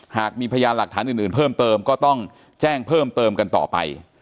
หากมีพยานหลักฐานอื่นเพิ่มเติมก็ต้องแจ้งเพิ่มเติมกันต่อไป